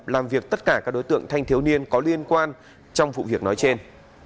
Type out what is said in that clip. làm việc tất cả các đối tượng thanh thiếu niên có liên quan trong vụ việc nói trên